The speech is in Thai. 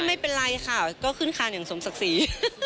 ไม่เป็นไรค่ะก็ขึ้นคานอย่างสมศักดิ์ศรี